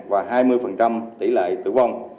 và hai mươi tỷ lệ tử vong